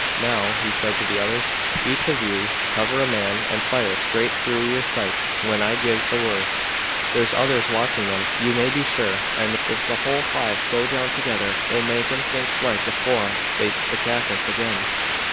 Now," he said to the others, "each of you cover a man and fire straight through your sights when I gives the word. There's others watching 'em, you may be sure, and ef the whole five go down together, it'll make 'em think twice afore they attack us again."